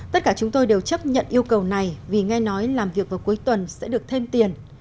tất cả chúng tôi đều chấp nhận yêu cầu này vì nghe nói làm việc vào cuối tuần sẽ được thêm tiền